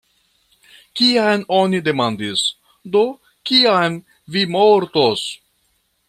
Kiam oni demandis, "Do, kiam vi mortos?